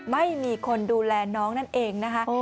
ไม่มีคนดูแลน้องนั่นเองนะคะ